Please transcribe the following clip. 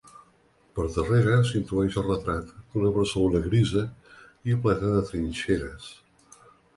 Per darrere s’intueix el retrat d’una Barcelona grisa i plena de trinxeres.